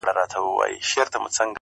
ملالۍ دغه غیرت وو ستا د وروڼو؟!!